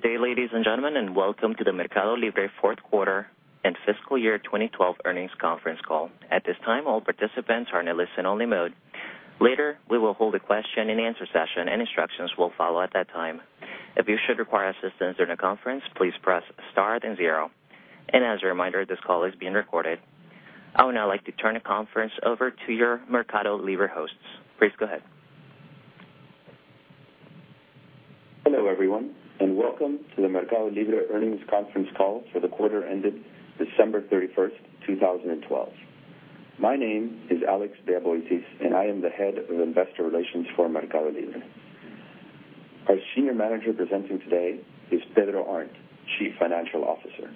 Good day, ladies and gentlemen, and welcome to the MercadoLibre fourth quarter and fiscal year 2012 earnings conference call. At this time, all participants are in a listen-only mode. Later, we will hold a question-and-answer session, and instructions will follow at that time. If you should require assistance during the conference, please press star then zero. As a reminder, this call is being recorded. I would now like to turn the conference over to your MercadoLibre hosts. Please go ahead. Hello, everyone, and welcome to the MercadoLibre earnings conference call for the quarter ended December 31st, 2012. My name is Richard Cathcart, and I am the Head of Investor Relations for MercadoLibre. Our senior manager presenting today is Pedro Arnt, Chief Financial Officer.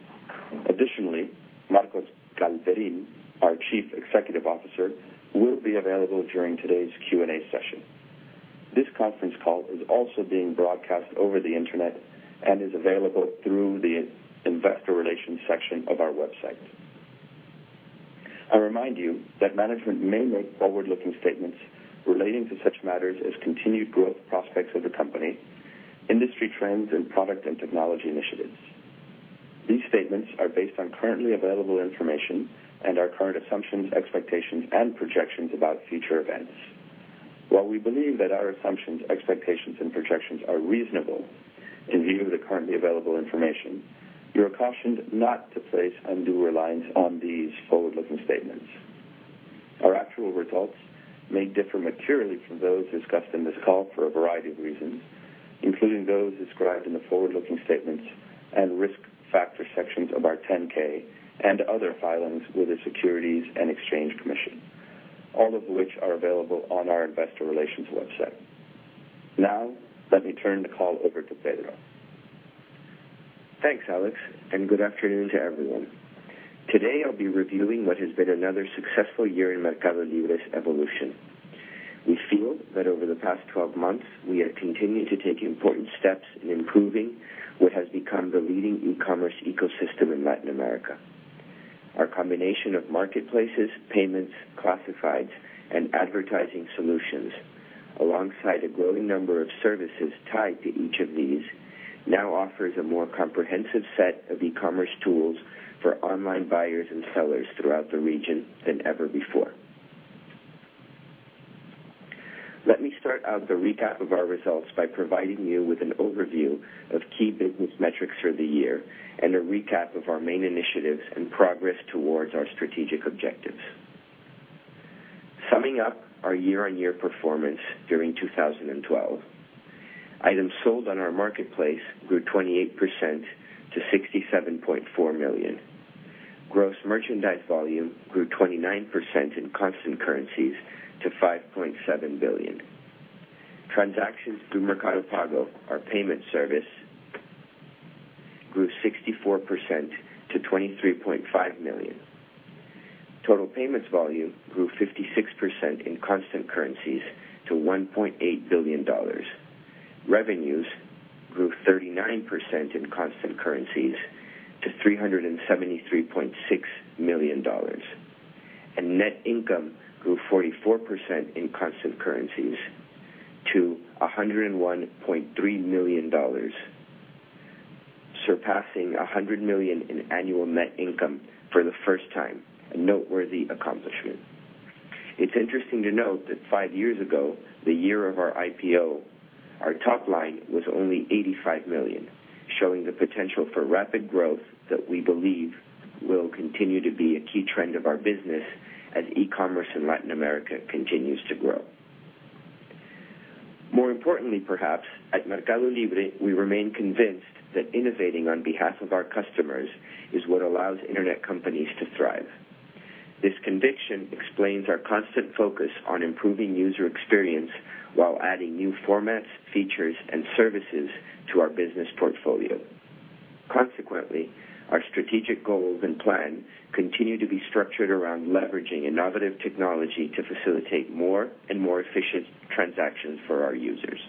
Additionally, Marcos Galperín, our Chief Executive Officer, will be available during today's Q&A session. This conference call is also being broadcast over the internet and is available through the investor relations section of our website. I remind you that management may make forward-looking statements relating to such matters as continued growth prospects of the company, industry trends, and product and technology initiatives. These statements are based on currently available information and our current assumptions, expectations, and projections about future events. While we believe that our assumptions, expectations, and projections are reasonable in view of the currently available information, you are cautioned not to place undue reliance on these forward-looking statements. Our actual results may differ materially from those discussed in this call for a variety of reasons, including those described in the forward-looking statements and risk factor sections of our 10-K and other filings with the Securities and Exchange Commission, all of which are available on our investor relations website. Now, let me turn the call over to Pedro. Thanks, Richard, good afternoon to everyone. Today, I'll be reviewing what has been another successful year in MercadoLibre's evolution. We feel that over the past 12 months, we have continued to take important steps in improving what has become the leading e-commerce ecosystem in Latin America. Our combination of marketplaces, payments, classifieds, and advertising solutions, alongside a growing number of services tied to each of these, now offers a more comprehensive set of e-commerce tools for online buyers and sellers throughout the region than ever before. Let me start out the recap of our results by providing you with an overview of key business metrics for the year and a recap of our main initiatives and progress towards our strategic objectives. Summing up our year-on-year performance during 2012, items sold on our marketplace grew 28% to 67.4 million. Gross merchandise volume grew 29% in constant currencies to $5.7 billion. Transactions through Mercado Pago, our payment service, grew 64% to $23.5 million. Total payments volume grew 56% in constant currencies to $1.8 billion. Revenues grew 39% in constant currencies to $373.6 million. Net income grew 44% in constant currencies to $101.3 million, surpassing $100 million in annual net income for the first time, a noteworthy accomplishment. It is interesting to note that five years ago, the year of our IPO, our top line was only $85 million, showing the potential for rapid growth that we believe will continue to be a key trend of our business as e-commerce in Latin America continues to grow. More importantly perhaps, at MercadoLibre, we remain convinced that innovating on behalf of our customers is what allows internet companies to thrive. This conviction explains our constant focus on improving user experience while adding new formats, features, and services to our business portfolio. Consequently, our strategic goals and plan continue to be structured around leveraging innovative technology to facilitate more and more efficient transactions for our users.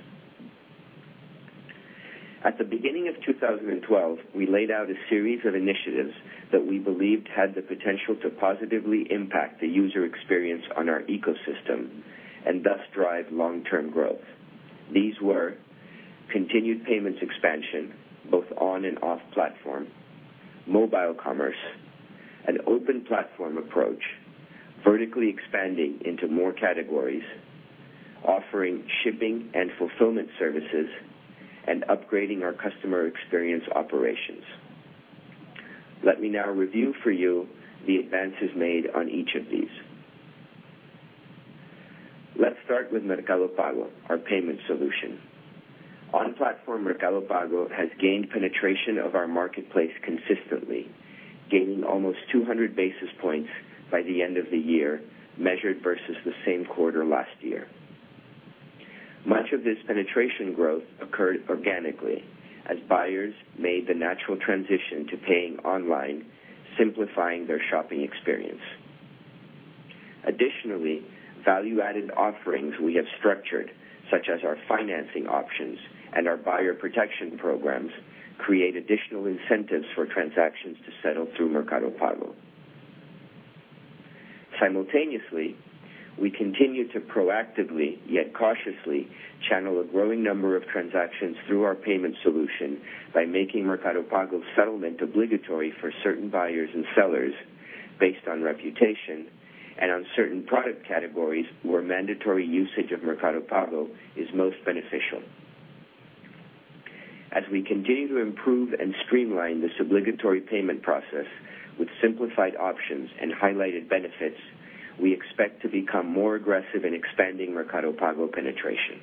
At the beginning of 2012, we laid out a series of initiatives that we believed had the potential to positively impact the user experience on our ecosystem and thus drive long-term growth. These were: continued payments expansion, both on and off platform; mobile commerce; an open platform approach; vertically expanding into more categories; offering shipping and fulfillment services; and upgrading our customer experience operations. Let us now review for you the advances made on each of these. Let us start with Mercado Pago, our payment solution. On-platform Mercado Pago has gained penetration of our marketplace consistently, gaining almost 200 basis points by the end of the year, measured versus the same quarter last year. Much of this penetration growth occurred organically as buyers made the natural transition to paying online, simplifying their shopping experience. Additionally, value-added offerings we have structured, such as our financing options and our buyer protection programs, create additional incentives for transactions to settle through Mercado Pago. Simultaneously, we continue to proactively, yet cautiously, channel a growing number of transactions through our payment solution by making Mercado Pago settlement obligatory for certain buyers and sellers based on reputation and on certain product categories where mandatory usage of Mercado Pago is most beneficial. As we continue to improve and streamline this obligatory payment process with simplified options and highlighted benefits, we expect to become more aggressive in expanding Mercado Pago penetration.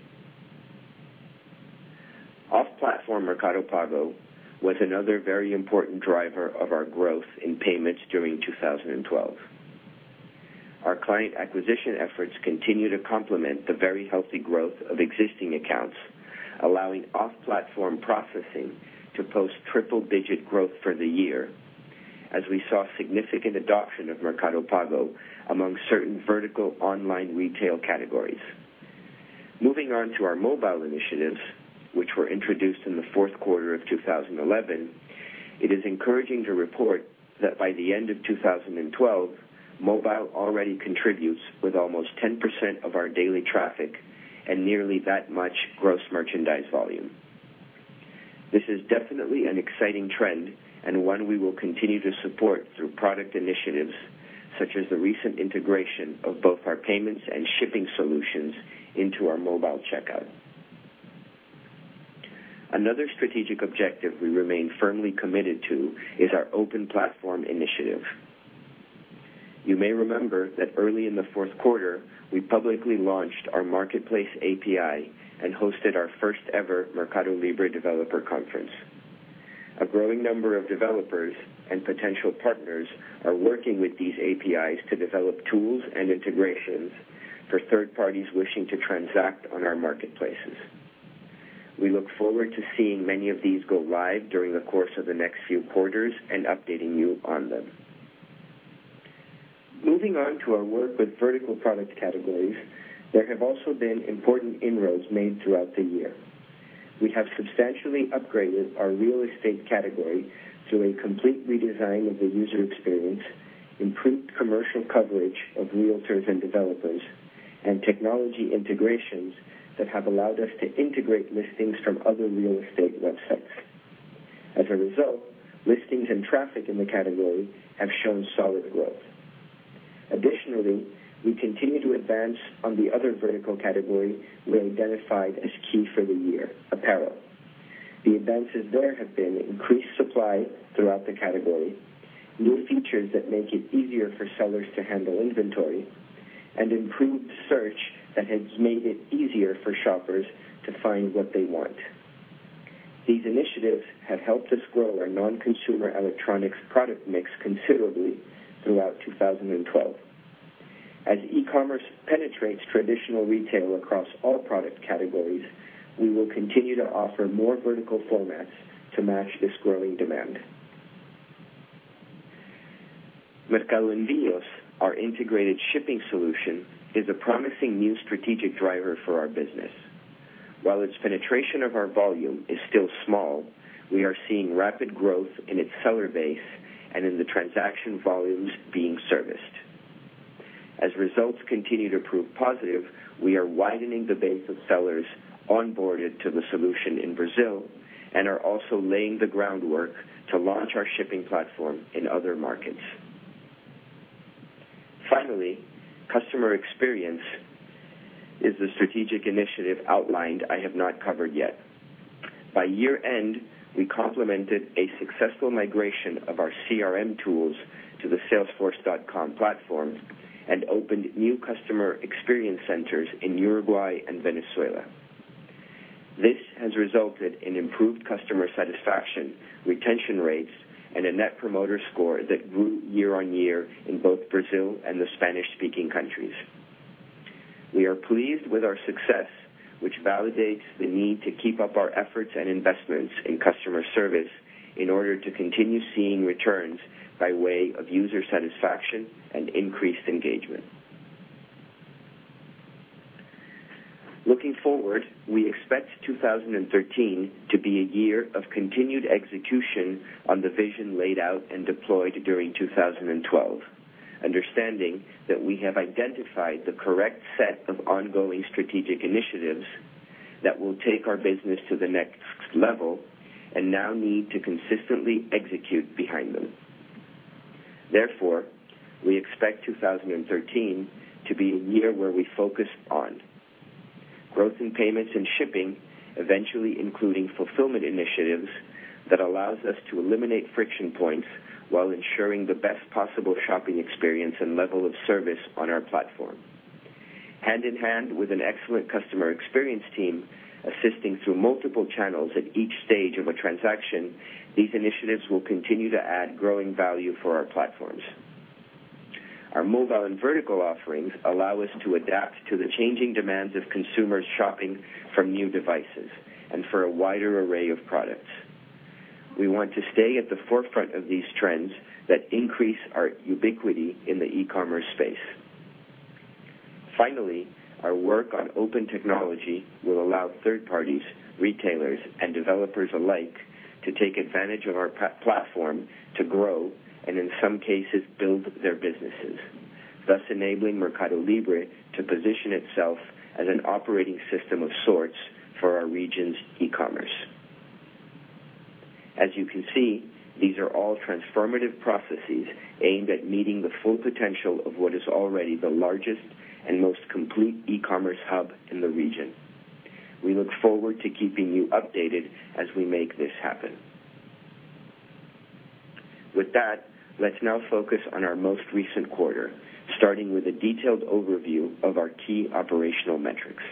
Off-platform Mercado Pago was another very important driver of our growth in payments during 2012. Our client acquisition efforts continue to complement the very healthy growth of existing accounts, allowing off-platform processing to post triple-digit growth for the year as we saw significant adoption of Mercado Pago among certain vertical online retail categories. Moving on to our mobile initiatives, which were introduced in the fourth quarter of 2011, it is encouraging to report that by the end of 2012, mobile already contributes with almost 10% of our daily traffic and nearly that much gross merchandise volume. This is definitely an exciting trend, and one we will continue to support through product initiatives, such as the recent integration of both our payments and shipping solutions into our mobile checkout. Another strategic objective we remain firmly committed to is our open platform initiative. You may remember that early in the fourth quarter, we publicly launched our marketplace API and hosted our first-ever Mercado Libre developer conference. A growing number of developers and potential partners are working with these APIs to develop tools and integrations for third parties wishing to transact on our marketplaces. We look forward to seeing many of these go live during the course of the next few quarters and updating you on them. Moving on to our work with vertical product categories, there have also been important inroads made throughout the year. We have substantially upgraded our real estate category through a complete redesign of the user experience, improved commercial coverage of realtors and developers, and technology integrations that have allowed us to integrate listings from other real estate websites. As a result, listings and traffic in the category have shown solid growth. Additionally, we continue to advance on the other vertical category we identified as key for the year, apparel. The advances there have been increased supply throughout the category, new features that make it easier for sellers to handle inventory, and improved search that has made it easier for shoppers to find what they want. These initiatives have helped us grow our non-consumer electronics product mix considerably throughout 2012. As e-commerce penetrates traditional retail across all product categories, we will continue to offer more vertical formats to match this growing demand. Mercado Envios, our integrated shipping solution, is a promising new strategic driver for our business. While its penetration of our volume is still small, we are seeing rapid growth in its seller base and in the transaction volumes being serviced. As results continue to prove positive, we are widening the base of sellers onboarded to the solution in Brazil and are also laying the groundwork to launch our shipping platform in other markets. Finally, customer experience is the strategic initiative outlined I have not covered yet. By year-end, we complemented a successful migration of our CRM tools to the Salesforce.com platform and opened new customer experience centers in Uruguay and Venezuela. This has resulted in improved customer satisfaction, retention rates, and a Net Promoter Score that grew year-on-year in both Brazil and the Spanish-speaking countries. We are pleased with our success, which validates the need to keep up our efforts and investments in customer service in order to continue seeing returns by way of user satisfaction and increased engagement. Looking forward, we expect 2013 to be a year of continued execution on the vision laid out and deployed during 2012. Understanding that we have identified the correct set of ongoing strategic initiatives that will take our business to the next level and now need to consistently execute behind them. We expect 2013 to be a year where we focus on growth in payments and shipping, eventually including fulfillment initiatives that allows us to eliminate friction points while ensuring the best possible shopping experience and level of service on our platform. Hand in hand with an excellent customer experience team assisting through multiple channels at each stage of a transaction, these initiatives will continue to add growing value for our platforms. Our mobile and vertical offerings allow us to adapt to the changing demands of consumers shopping from new devices and for a wider array of products. We want to stay at the forefront of these trends that increase our ubiquity in the e-commerce space. Finally, our work on open technology will allow third parties, retailers, and developers alike to take advantage of our platform to grow, and in some cases, build their businesses, thus enabling MercadoLibre to position itself as an operating system of sorts for our region's e-commerce. As you can see, these are all transformative processes aimed at meeting the full potential of what is already the largest and most complete e-commerce hub in the region. We look forward to keeping you updated as we make this happen. With that, let's now focus on our most recent quarter, starting with a detailed overview of our key operational metrics.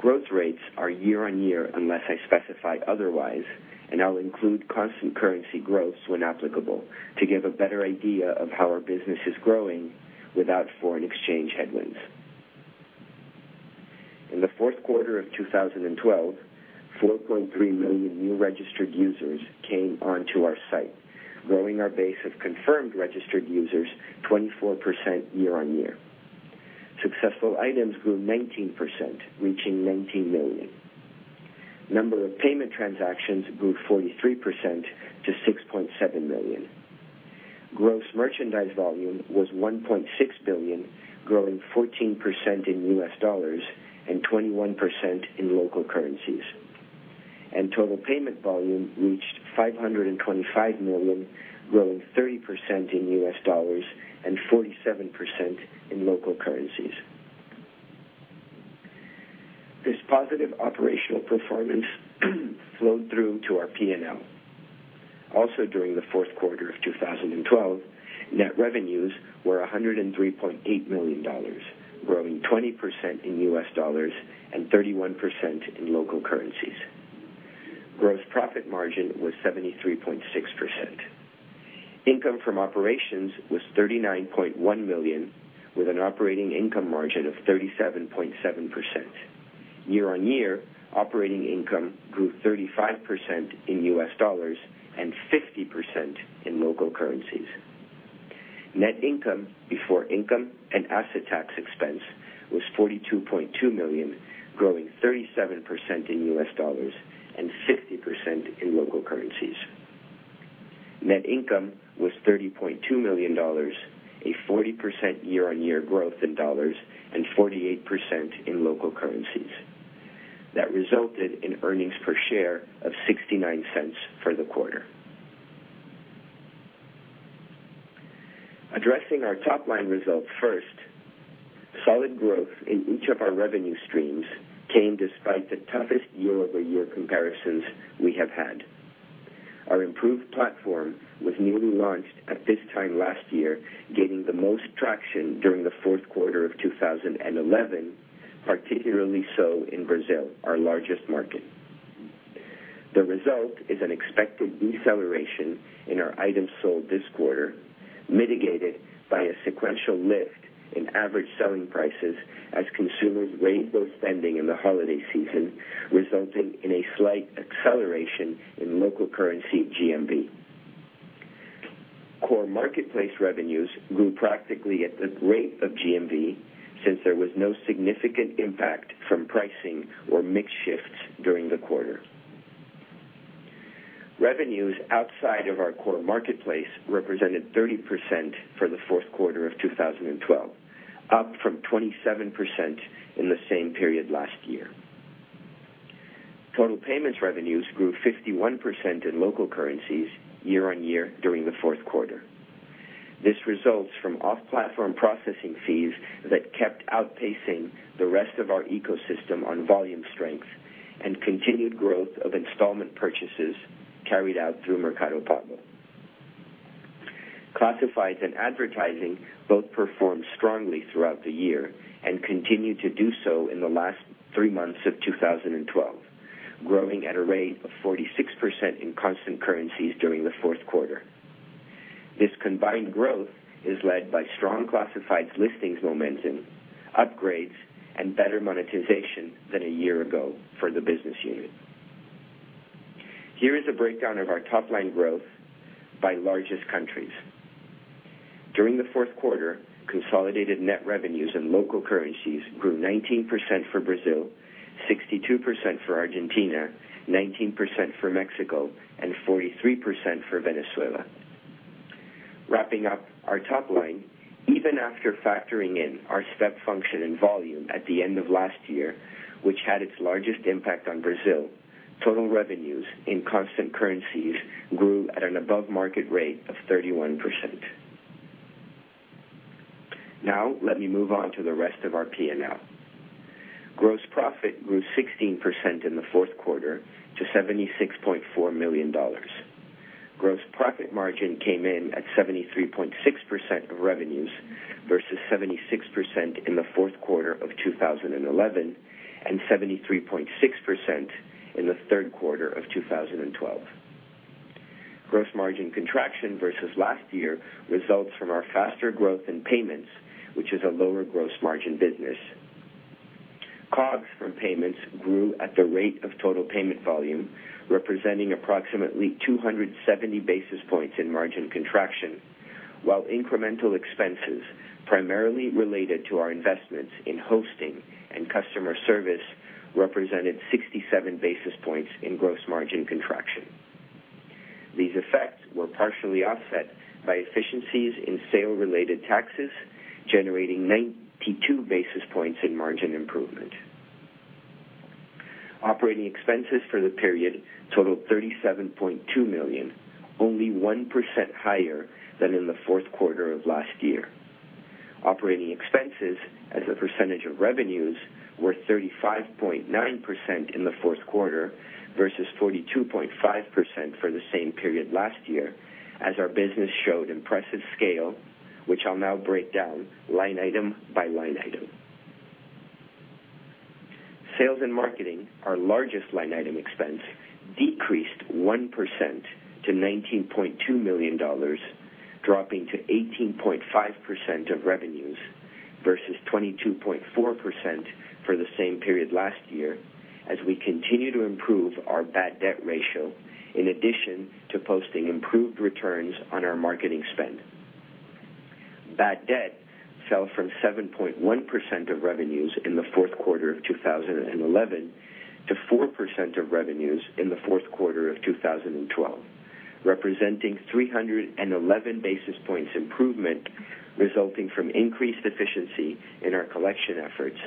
Growth rates are year-on-year unless I specify otherwise, and I'll include constant currency growths when applicable to give a better idea of how our business is growing without foreign exchange headwinds. In the fourth quarter of 2012, 4.3 million new registered users came onto our site, growing our base of confirmed registered users 24% year-on-year. Successful items grew 19%, reaching 19 million. Number of payment transactions grew 43% to 6.7 million. Gross merchandise volume was $1.6 billion, growing 14% in US dollars and 21% in local currencies. Total payment volume reached $525 million, growing 30% in US dollars and 47% in local currencies. This positive operational performance flowed through to our P&L. Also, during the fourth quarter of 2012, net revenues were $103.8 million, growing 20% in US dollars and 31% in local currencies. Gross profit margin was 73.6%. Income from operations was $39.1 million, with an operating income margin of 37.7%. Year-on-year, operating income grew 35% in US dollars and 50% in local currencies. Net income before income and asset tax expense was $42.2 million, growing 37% in US dollars and 50% in local currencies. Net income was $30.2 million, a 40% year-on-year growth in dollars and 48% in local currencies. That resulted in earnings per share of $0.69 for the quarter. Addressing our top-line results first, solid growth in each of our revenue streams came despite the toughest year-over-year comparisons we have had. Our improved platform was newly launched at this time last year, gaining the most traction during the fourth quarter of 2011, particularly so in Brazil, our largest market. The result is an expected deceleration in our items sold this quarter, mitigated by a sequential lift in average selling prices as consumers reined those spending in the holiday season, resulting in a slight acceleration in local currency GMV. Core marketplace revenues grew practically at the rate of GMV, since there was no significant impact from pricing or mix shifts during the quarter. Revenues outside of our core marketplace represented 30% for the fourth quarter of 2012, up from 27% in the same period last year. Total payments revenues grew 51% in local currencies year-on-year during the fourth quarter. This results from off-platform processing fees that kept outpacing the rest of our ecosystem on volume strength and continued growth of installment purchases carried out through Mercado Pago. Classifieds and advertising both performed strongly throughout the year and continued to do so in the last three months of 2012, growing at a rate of 46% in constant currencies during the fourth quarter. This combined growth is led by strong classifieds listings momentum, upgrades, and better monetization than a year ago for the business unit. Here is a breakdown of our top-line growth by largest countries. During the fourth quarter, consolidated net revenues in local currencies grew 19% for Brazil, 62% for Argentina, 19% for Mexico, and 43% for Venezuela. Wrapping up our top line, even after factoring in our step function in volume at the end of last year, which had its largest impact on Brazil, total revenues in constant currencies grew at an above-market rate of 31%. Now let me move on to the rest of our P&L. Gross profit grew 16% in the fourth quarter to $76.4 million. Gross profit margin came in at 73.6% of revenues versus 76% in the fourth quarter of 2011 and 73.6% in the third quarter of 2012. Gross margin contraction versus last year results from our faster growth in payments, which is a lower gross margin business. COGS from payments grew at the rate of total payment volume, representing approximately 270 basis points in margin contraction. While incremental expenses primarily related to our investments in hosting and customer service represented 67 basis points in gross margin contraction. These effects were partially offset by efficiencies in sale-related taxes, generating 92 basis points in margin improvement. Operating expenses for the period totaled $37.2 million, only 1% higher than in the fourth quarter of last year. Operating expenses as a percentage of revenues were 35.9% in the fourth quarter versus 42.5% for the same period last year as our business showed impressive scale, which I'll now break down line item by line item. Sales and marketing, our largest line item expense, decreased 1% to $19.2 million, dropping to 18.5% of revenues versus 22.4% for the same period last year as we continue to improve our bad debt ratio, in addition to posting improved returns on our marketing spend. Bad debt fell from 7.1% of revenues in the fourth quarter of 2011 to 4% of revenues in the fourth quarter of 2012, representing 311 basis points improvement resulting from increased efficiency in our collection efforts,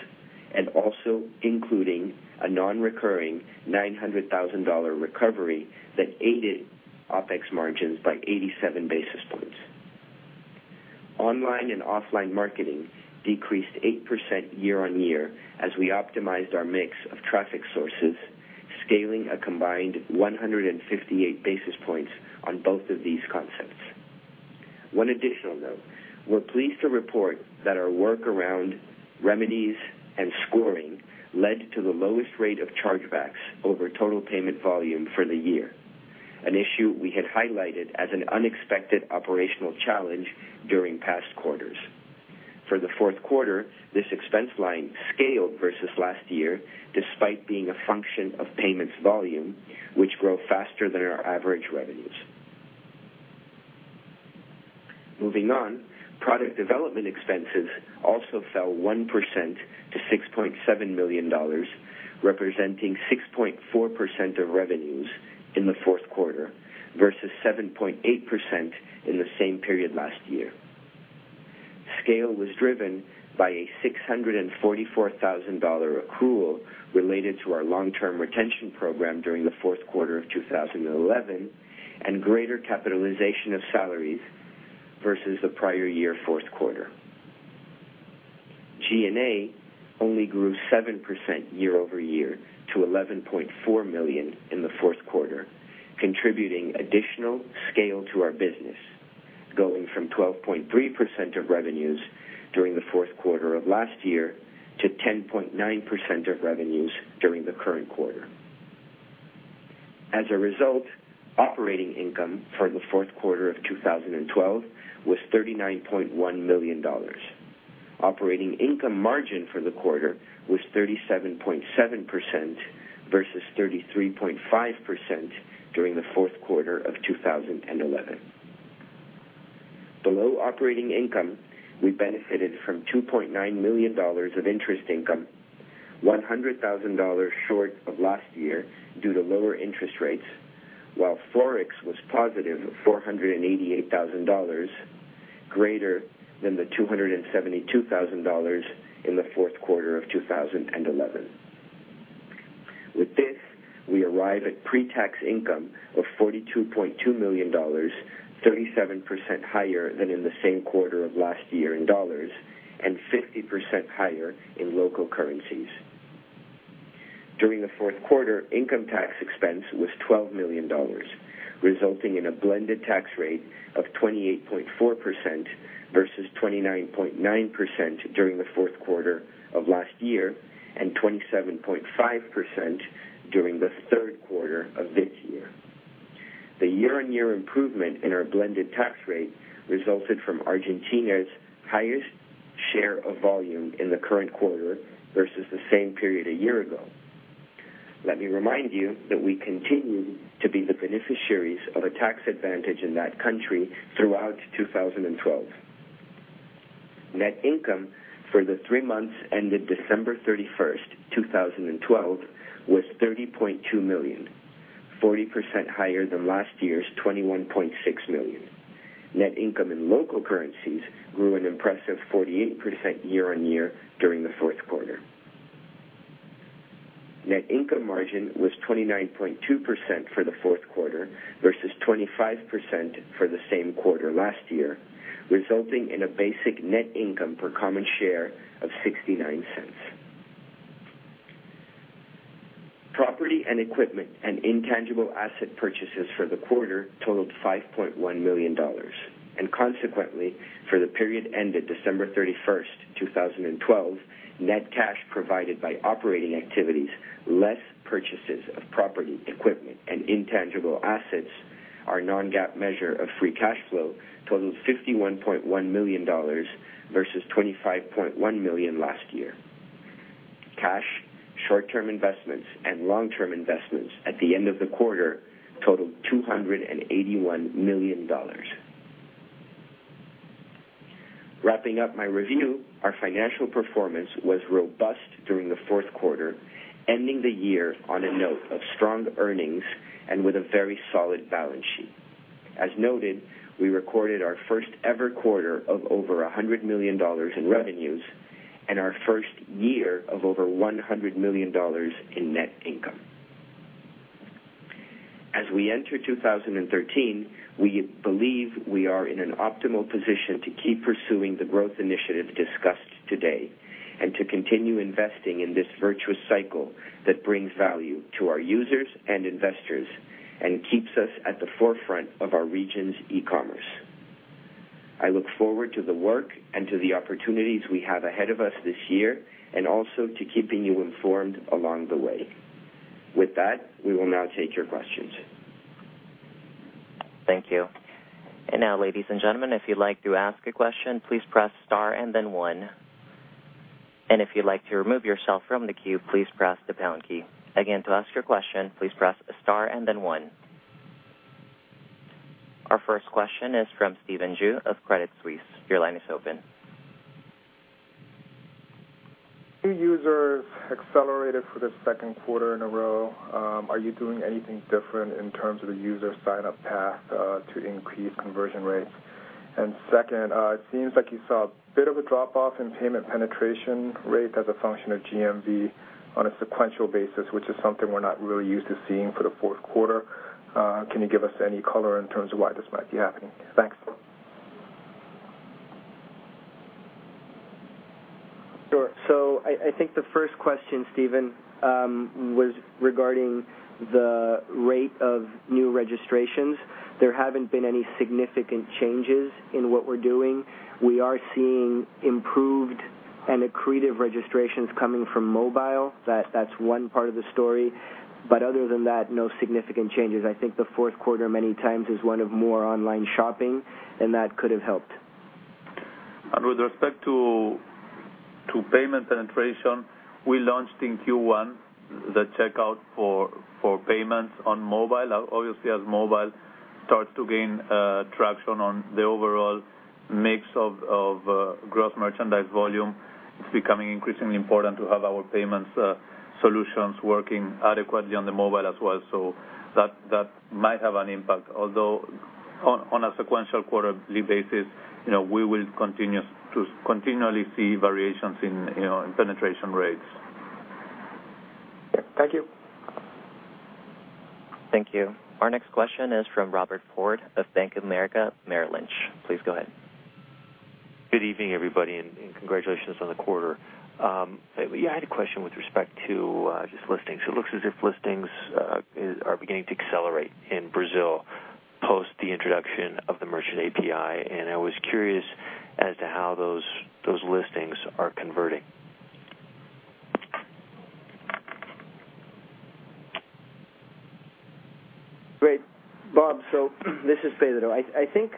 and also including a non-recurring $900,000 recovery that aided OpEx margins by 87 basis points. Online and offline marketing decreased 8% year-on-year as we optimized our mix of traffic sources, scaling a combined 158 basis points on both of these concepts. One additional note. We're pleased to report that our work around remedies and scoring led to the lowest rate of chargebacks over total payment volume for the year, an issue we had highlighted as an unexpected operational challenge during past quarters. For the fourth quarter, this expense line scaled versus last year, despite being a function of payments volume, which grow faster than our average revenues. Moving on. Product development expenses also fell 1% to $6.7 million, representing 6.4% of revenues in the fourth quarter versus 7.8% in the same period last year. Scale was driven by a $644,000 accrual related to our long-term retention program during the fourth quarter of 2011 and greater capitalization of salaries versus the prior year fourth quarter. G&A only grew 7% year-over-year to $11.4 million in the fourth quarter, contributing additional scale to our business, going from 12.3% of revenues during the fourth quarter of last year to 10.9% of revenues during the current quarter. As a result, operating income for the fourth quarter of 2012 was $39.1 million. Operating income margin for the quarter was 37.7% versus 33.5% during the fourth quarter of 2011. Below operating income, we benefited from $2.9 million of interest income, $100,000 short of last year due to lower interest rates, while Forex was positive $488,000 greater than the $272,000 in the fourth quarter of 2011. With this, we arrive at pre-tax income of $42.2 million, 37% higher than in the same quarter of last year in dollars, and 50% higher in local currencies. During the fourth quarter, income tax expense was $12 million, resulting in a blended tax rate of 28.4% versus 29.9% during the fourth quarter of last year and 27.5% during the third quarter of this year. The year-on-year improvement in our blended tax rate resulted from Argentina's highest share of volume in the current quarter versus the same period a year ago. Let me remind you that we continued to be the beneficiaries of a tax advantage in that country throughout 2012. Net income for the three months ended December 31st, 2012, was $30.2 million, 40% higher than last year's $21.6 million. Net income in local currencies grew an impressive 48% year-on-year during the fourth quarter. Net income margin was 29.2% for the fourth quarter versus 25% for the same quarter last year, resulting in a basic net income per common share of $0.69. Property and equipment and intangible asset purchases for the quarter totaled $5.1 million. Consequently, for the period ended December 31st, 2012, net cash provided by operating activities, less purchases of property, equipment, and intangible assets, our non-GAAP measure of free cash flow totaled $51.1 million versus $25.1 million last year. Cash, short-term investments, and long-term investments at the end of the quarter totaled $281 million. Wrapping up my review, our financial performance was robust during the fourth quarter, ending the year on a note of strong earnings and with a very solid balance sheet. As noted, we recorded our first ever quarter of over $100 million in revenues and our first year of over $100 million in net income. As we enter 2013, we believe we are in an optimal position to keep pursuing the growth initiatives discussed today and to continue investing in this virtuous cycle that brings value to our users and investors and keeps us at the forefront of our region's e-commerce. I look forward to the work and to the opportunities we have ahead of us this year, and also to keeping you informed along the way. With that, we will now take your questions. Thank you. Now, ladies and gentlemen, if you'd like to ask a question, please press star and then one, if you'd like to remove yourself from the queue, please press the pound key. Again, to ask your question, please press star and then one. Our first question is from Stephen Ju of Credit Suisse. Your line is open. New users accelerated for the second quarter in a row. Are you doing anything different in terms of the user sign-up path, to increase conversion rates? Second, it seems like you saw a bit of a drop-off in payment penetration rate as a function of GMV on a sequential basis, which is something we're not really used to seeing for the fourth quarter. Can you give us any color in terms of why this might be happening? Thanks. Sure. I think the first question, Stephen, was regarding the rate of new registrations. There haven't been any significant changes in what we're doing. We are seeing improved and accretive registrations coming from mobile. That's one part of the story. Other than that, no significant changes. I think the fourth quarter, many times, is one of more online shopping, that could have helped. With respect to payment penetration, we launched in Q1 the checkout for payments on mobile. Obviously, as mobile starts to gain traction on the overall mix of gross merchandise volume, it's becoming increasingly important to have our payments solutions working adequately on the mobile as well, that might have an impact. Although, on a sequential quarterly basis, we will continue to continually see variations in penetration rates. Thank you. Thank you. Our next question is from Robert Ford of Bank of America Merrill Lynch. Please go ahead. Good evening, everybody, and congratulations on the quarter. Yeah, I had a question with respect to just listings. It looks as if listings are beginning to accelerate in Brazil post the introduction of the merchant API, and I was curious as to how those listings are converting. Great. Bob, this is Federico. I think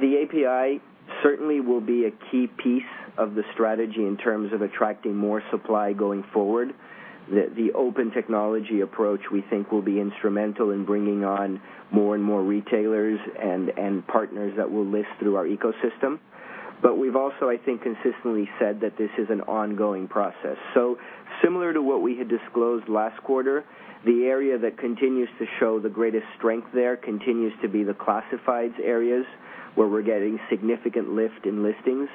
the API certainly will be a key piece of the strategy in terms of attracting more supply going forward. The open technology approach, we think, will be instrumental in bringing on more and more retailers and partners that will list through our ecosystem. We've also, I think, consistently said that this is an ongoing process. Similar to what we had disclosed last quarter, the area that continues to show the greatest strength there continues to be the classifieds areas, where we're getting significant lift in listings.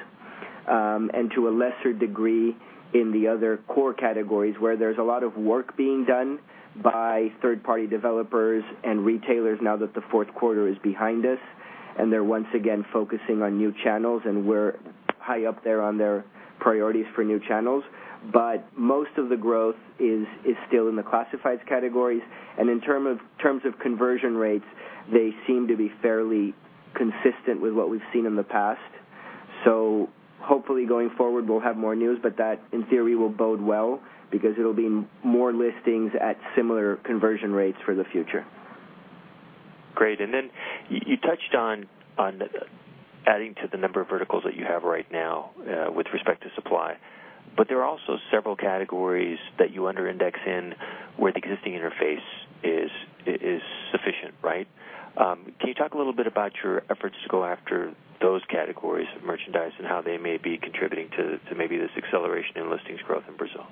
To a lesser degree, in the other core categories, where there's a lot of work being done by third-party developers and retailers now that the fourth quarter is behind us, and they're once again focusing on new channels, and we're high up there on their priorities for new channels. Most of the growth is still in the classifieds categories, in terms of conversion rates, they seem to be fairly consistent with what we've seen in the past. Hopefully, going forward, we'll have more news, but that, in theory, will bode well because it'll be more listings at similar conversion rates for the future. Great. Then you touched on adding to the number of verticals that you have right now with respect to supply. There are also several categories that you under-index in where the existing interface is sufficient, right? Can you talk a little bit about your efforts to go after those categories of merchandise and how they may be contributing to maybe this acceleration in listings growth in Brazil?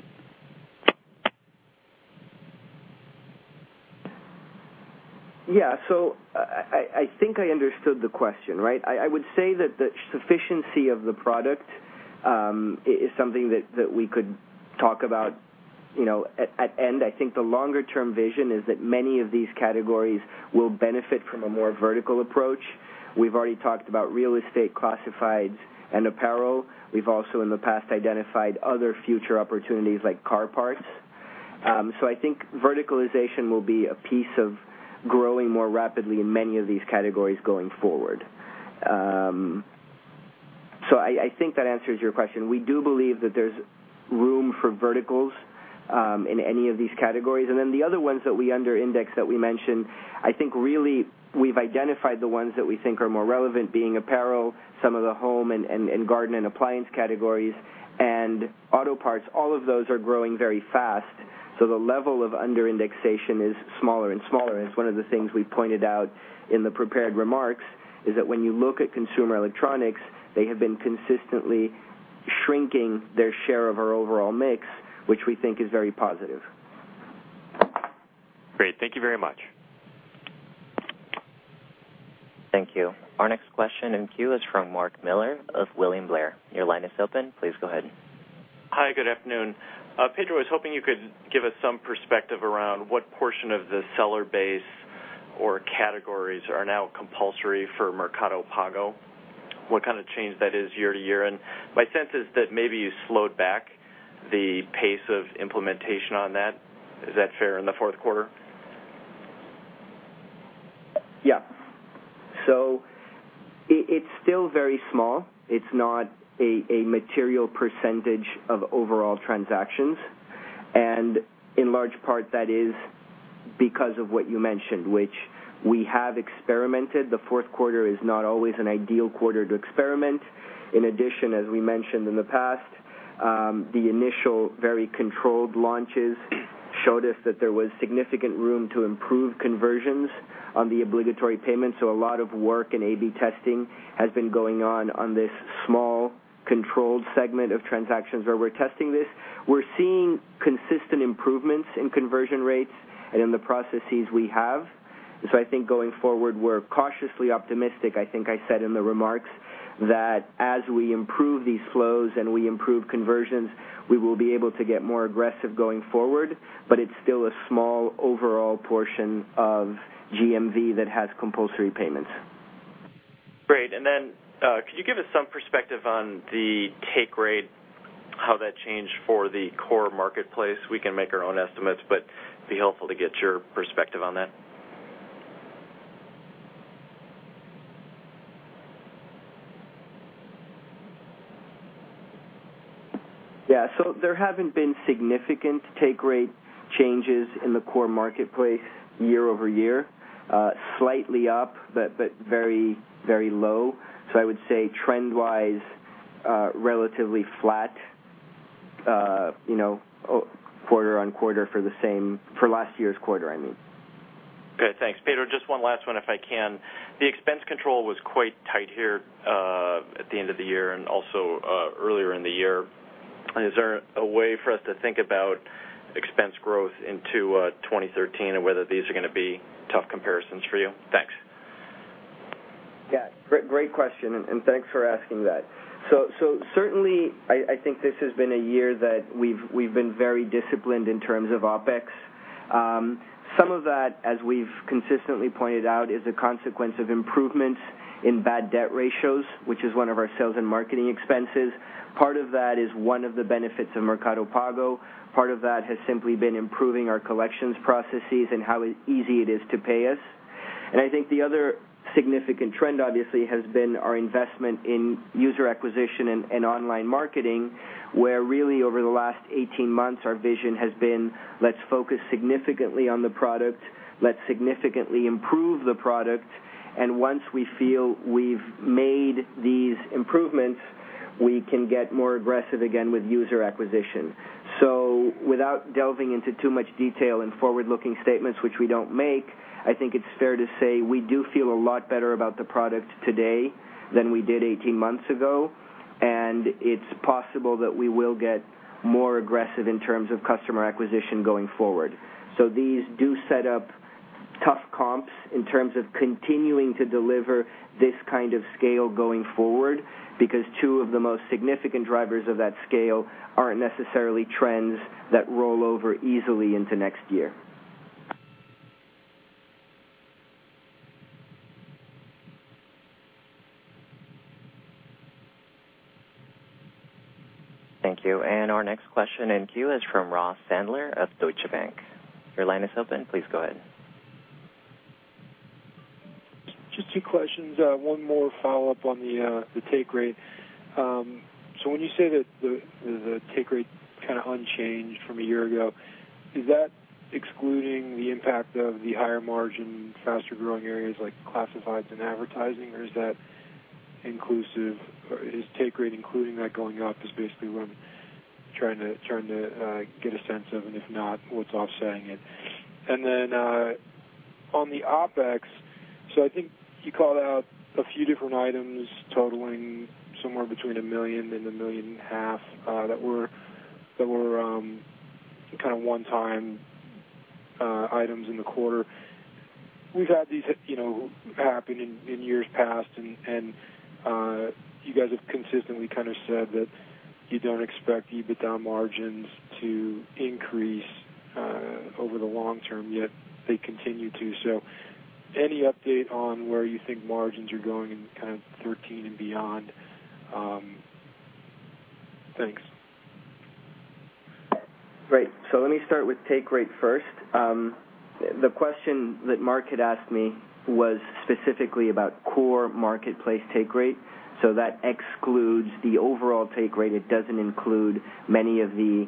Yeah. I think I understood the question, right? I would say that the sufficiency of the product is something that we could talk about at end. I think the longer-term vision is that many of these categories will benefit from a more vertical approach. We've already talked about real estate, classifieds, and apparel. We've also, in the past, identified other future opportunities like car parts. I think verticalization will be a piece of growing more rapidly in many of these categories going forward. I think that answers your question. We do believe that there's room for verticals in any of these categories. Then the other ones that we under-index that we mentioned, I think really we've identified the ones that we think are more relevant, being apparel, some of the home and garden and appliance categories, and auto parts. All of those are growing very fast. The level of under-indexation is smaller and smaller. It's one of the things we pointed out in the prepared remarks, is that when you look at consumer electronics, they have been consistently shrinking their share of our overall mix, which we think is very positive. Great. Thank you very much. Thank you. Our next question in queue is from Mark Miller of William Blair. Your line is open. Please go ahead. Hi, good afternoon. Pedro, I was hoping you could give us some perspective around what portion of the seller base or categories are now compulsory for Mercado Pago. What kind of change that is year-over-year, and my sense is that maybe you slowed back the pace of implementation on that. Is that fair in the fourth quarter? It's still very small. It's not a material percentage of overall transactions. In large part that is because of what you mentioned, which we have experimented. The fourth quarter is not always an ideal quarter to experiment. In addition, as we mentioned in the past, the initial very controlled launches showed us that there was significant room to improve conversions on the obligatory payments. A lot of work and A/B testing has been going on this small controlled segment of transactions where we're testing this. We're seeing consistent improvements in conversion rates and in the processes we have. I think going forward, we're cautiously optimistic. I think I said in the remarks that as we improve these flows and we improve conversions, we will be able to get more aggressive going forward. It's still a small overall portion of GMV that has compulsory payments. Could you give us some perspective on the take rate, how that changed for the core marketplace? We can make our own estimates, but it'd be helpful to get your perspective on that. There haven't been significant take rate changes in the core marketplace year-over-year. Slightly up, but very low. I would say trend wise, relatively flat quarter-on-quarter for last year's quarter, I mean. Good. Thanks, Pedro. Just one last one, if I can. The expense control was quite tight here at the end of the year and also earlier in the year. Is there a way for us to think about expense growth into 2013 and whether these are going to be tough comparisons for you? Thanks. Great question and thanks for asking that. Certainly, I think this has been a year that we've been very disciplined in terms of OpEx. Some of that, as we've consistently pointed out, is a consequence of improvements in bad debt ratios, which is one of our sales and marketing expenses. Part of that is one of the benefits of Mercado Pago. Part of that has simply been improving our collections processes and how easy it is to pay us. I think the other significant trend, obviously, has been our investment in user acquisition and online marketing, where really over the last 18 months, our vision has been, let's focus significantly on the product, let's significantly improve the product, and once we feel we've made these improvements, we can get more aggressive again with user acquisition. Without delving into too much detail and forward-looking statements, which we don't make, I think it's fair to say we do feel a lot better about the product today than we did 18 months ago, and it's possible that we will get more aggressive in terms of customer acquisition going forward. These do set up tough comps in terms of continuing to deliver this kind of scale going forward, because two of the most significant drivers of that scale aren't necessarily trends that roll over easily into next year. Thank you. Our next question in queue is from Ross Sandler of Deutsche Bank. Your line is open. Please go ahead. Just two questions. One more follow-up on the take rate. When you say that the take rate kind of unchanged from a year ago, is that excluding the impact of the higher margin, faster-growing areas like classifieds and advertising, or is take rate including that going up is basically what I'm trying to get a sense of, and if not, what's offsetting it? Then, on the OpEx, I think you called out a few different items totaling somewhere between $1 million and $1 million and a half, that were kind of one-time items in the quarter. We've had these happen in years past, and you guys have consistently kind of said that you don't expect EBITDA margins to increase over the long term, yet they continue to. Any update on where you think margins are going in kind of 2013 and beyond? Thanks. Right. Let me start with take rate first. The question that Mark had asked me was specifically about core marketplace take rate, that excludes the overall take rate. It doesn't include many of the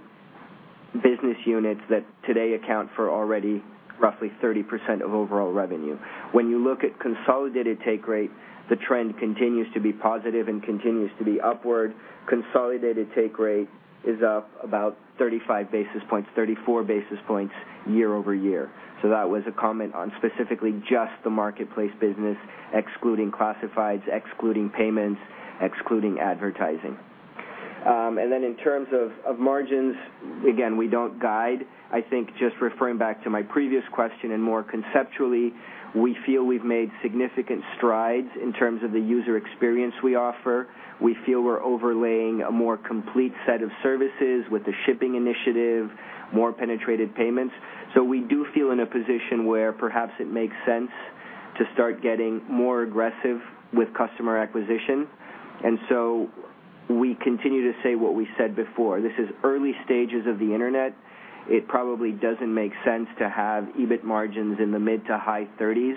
business units that today account for already roughly 30% of overall revenue. The trend continues to be positive and continues to be upward. Consolidated take rate is up about 35 basis points, 34 basis points year over year. That was a comment on specifically just the marketplace business, excluding classifieds, excluding payments, excluding advertising. In terms of margins, again, we don't guide. Referring back to my previous question and more conceptually, we feel we've made significant strides in terms of the user experience we offer. We feel we're overlaying a more complete set of services with the shipping initiative, more penetrated payments. We do feel in a position where perhaps it makes sense to start getting more aggressive with customer acquisition. We continue to say what we said before. This is early stages of the Internet. It probably doesn't make sense to have EBIT margins in the mid to high 30s.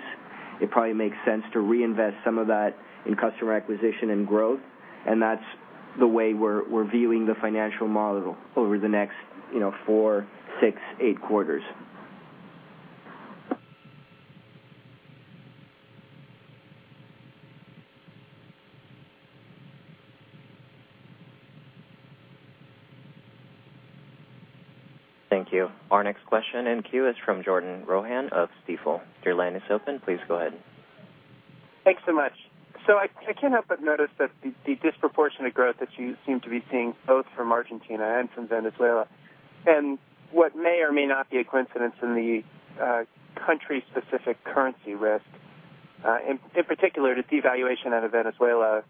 It probably makes sense to reinvest some of that in customer acquisition and growth, and that's the way we're viewing the financial model over the next four, six, eight quarters. Thank you. Our next question in queue is from Jordan Rohan of Stifel. Your line is open. Please go ahead. Thanks so much. I can't help but notice that the disproportionate growth that you seem to be seeing both from Argentina and from Venezuela, and what may or may not be a coincidence in the country-specific currency risk, in particular, the devaluation out of Venezuela,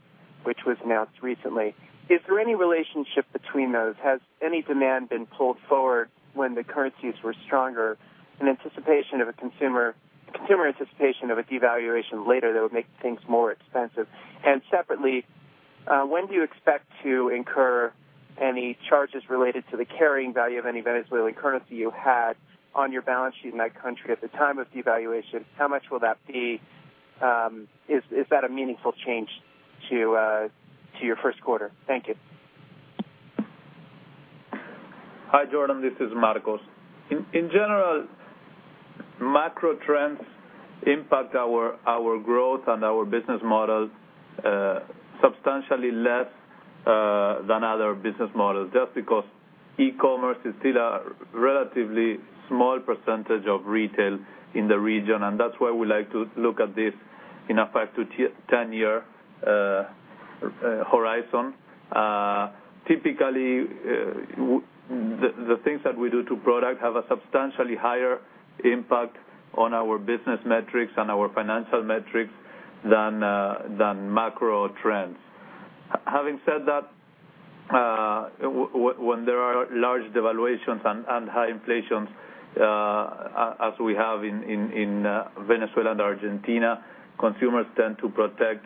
which was announced recently. Is there any relationship between those? Has any demand been pulled forward when the currencies were stronger in consumer anticipation of a devaluation later that would make things more expensive? Separately, when do you expect to incur any charges related to the carrying value of any Venezuelan currency you had on your balance sheet in that country at the time of devaluation? How much will that be? Is that a meaningful change to your first quarter? Thank you. Hi, Jordan. This is Marcos. In general, macro trends impact our growth and our business models substantially less than other business models, just because e-commerce is still a relatively small percentage of retail in the region, and that's why we like to look at this in a five to 10-year horizon. Typically, the things that we do to product have a substantially higher impact on our business metrics and our financial metrics than macro trends. Having said that, when there are large devaluations and high inflations, as we have in Venezuela and Argentina, consumers tend to protect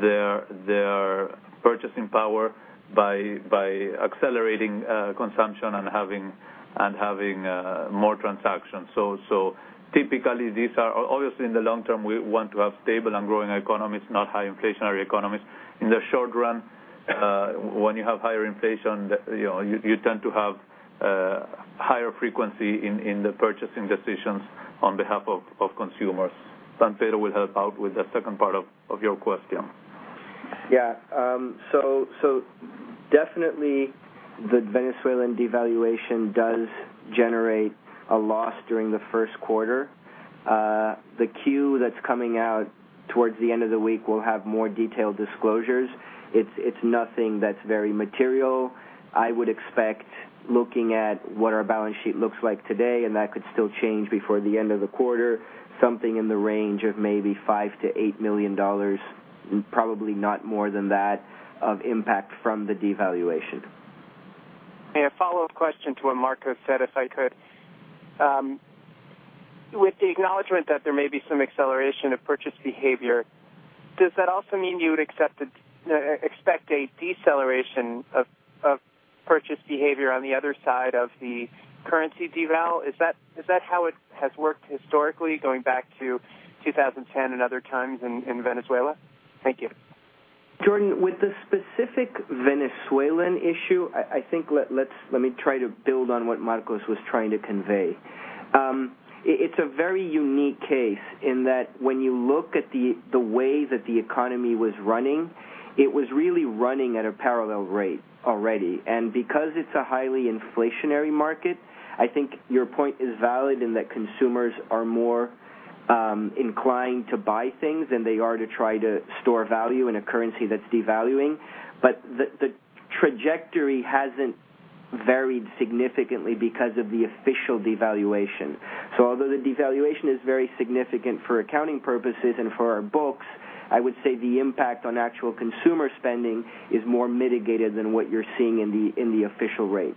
their purchasing power by accelerating consumption and having more transactions. Typically, obviously in the long term, we want to have stable and growing economies, not high inflationary economies. In the short run, when you have higher inflation, you tend to have higher frequency in the purchasing decisions on behalf of consumers. Pedro will help out with the second part of your question. Yeah. Definitely the Venezuelan devaluation does generate a loss during the first quarter. The Q that's coming out towards the end of the week will have more detailed disclosures. It's nothing that's very material. I would expect looking at what our balance sheet looks like today, and that could still change before the end of the quarter, something in the range of maybe $5 million-$8 million, probably not more than that, of impact from the devaluation. A follow-up question to what Marcos said, if I could. With the acknowledgment that there may be some acceleration of purchase behavior, does that also mean you would expect a deceleration of purchase behavior on the other side of the currency deval? Is that how it has worked historically, going back to 2010 and other times in Venezuela? Thank you. Jordan, with the specific Venezuelan issue, I think let me try to build on what Marcos Galperín was trying to convey. It's a very unique case in that when you look at the way that the economy was running, it was really running at a parallel rate already. Because it's a highly inflationary market, I think your point is valid in that consumers are more inclined to buy things than they are to try to store value in a currency that's devaluing. The trajectory hasn't varied significantly because of the official devaluation. Although the devaluation is very significant for accounting purposes and for our books, I would say the impact on actual consumer spending is more mitigated than what you're seeing in the official rate.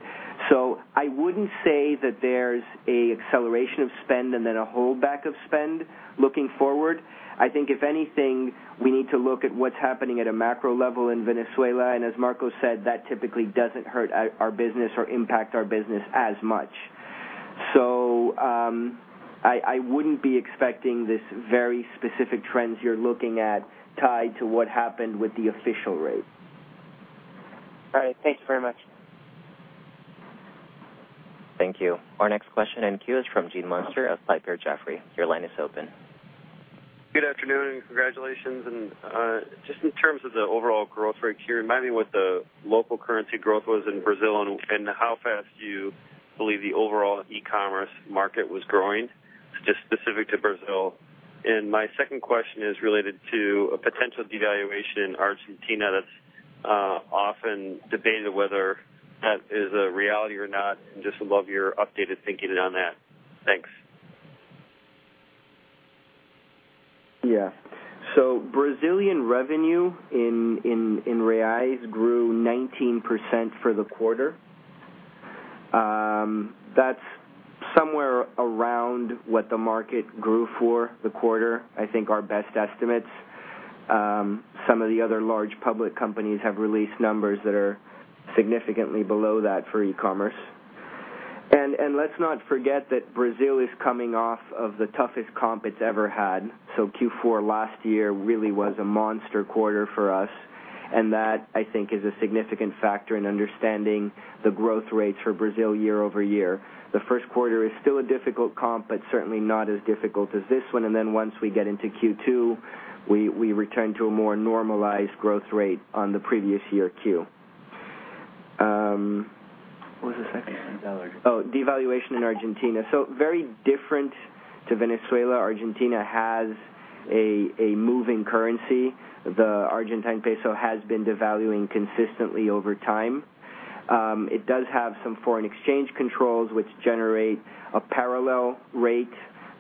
I wouldn't say that there's a acceleration of spend and then a holdback of spend looking forward. I think if anything, we need to look at what's happening at a macro level in Venezuela, and as Marcos Galperín said, that typically doesn't hurt our business or impact our business as much. I wouldn't be expecting this very specific trends you're looking at tied to what happened with the official rate. All right. Thanks very much. Thank you. Our next question in queue is from Gene Munster of Piper Jaffray. Your line is open. Good afternoon, and congratulations. Just in terms of the overall growth rate here, remind me what the local currency growth was in Brazil and how fast you believe the overall e-commerce market was growing, just specific to Brazil. My second question is related to a potential devaluation in Argentina that's often debated whether that is a reality or not, and just would love your updated thinking on that. Thanks. Yeah. Brazilian revenue in reais grew 19% for the quarter. That's somewhere around what the market grew for the quarter. I think our best estimates. Some of the other large public companies have released numbers that are significantly below that for e-commerce. Let's not forget that Brazil is coming off of the toughest comp it's ever had. Q4 last year really was a monster quarter for us, and that, I think, is a significant factor in understanding the growth rates for Brazil year-over-year. The first quarter is still a difficult comp, but certainly not as difficult as this one. Once we get into Q2, we return to a more normalized growth rate on the previous year Q. What was the second? Devaluation. Oh, devaluation in Argentina. Very different to Venezuela. Argentina has a moving currency. The Argentine peso has been devaluing consistently over time. It does have some foreign exchange controls, which generate a parallel rate